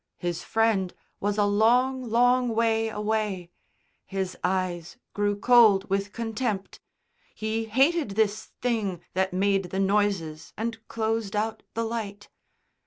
His Friend was a long, long way away; his eyes grew cold with contempt. He hated this thing that made the noises and closed out the light.